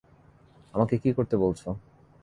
আমাকে কী করতে বলছো?